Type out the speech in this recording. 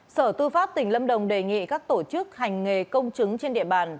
sở tư pháp tỉnh lâm đồng đề nghị các tổ chức hành nghề công chứng trên địa bàn